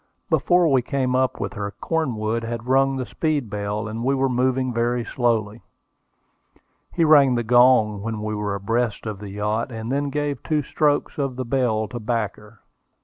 Before we came up with her Cornwood had rung the speed bell, and we were moving very slowly. He rang the gong when we were abreast of the yacht, and then gave two strokes of the bell to back her.